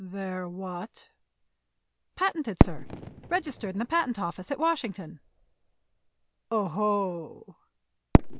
"They're what?" "Patented, sir; registered in the patent office at Washington." "Oho!"